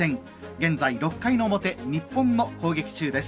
現在、６回の表日本の攻撃中です。